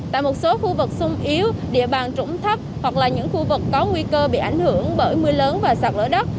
tại một số khu vực sung yếu địa bàn trũng thấp hoặc là những khu vực có nguy cơ bị ảnh hưởng bởi mưa lớn và sạt lở đất